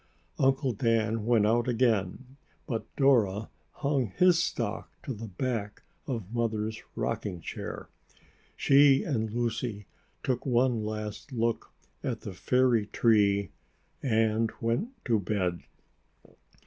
Uncle Dan went out again, but Dora hung his sock to the back of Mother's rocking chair. She and Lucy took one last look at the fairy tree and went to bed.